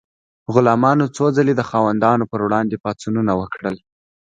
غلامانو څو ځلې د خاوندانو پر وړاندې پاڅونونه وکړل.